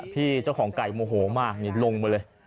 พี่เจ้าของไก่โมโหมากนี่ลงมาเลย